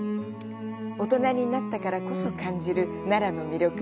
大人になったからこそ感じる奈良の魅力。